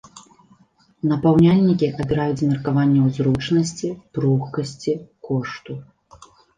Напаўняльнікі абіраюць з меркаванняў зручнасці, пругкасці, кошту.